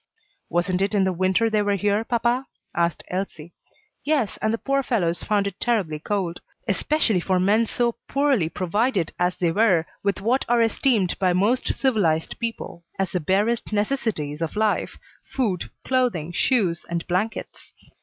"Wasn't it in the winter they were here, papa?" asked Elsie. "Yes; and the poor fellows found it terribly cold; especially for men so poorly provided as they were with what are esteemed by most civilized people as the barest necessities of life food, clothing, shoes, and blankets."